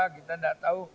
kita nggak tahu